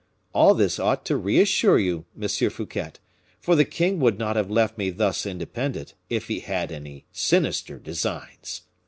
All this ought to reassure you, Monsieur Fouquet, for the king would not have left me thus independent, if he had any sinister designs.